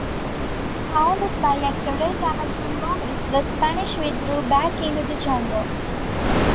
Pounded by accurate American volleys, the Spanish withdrew back into the jungle.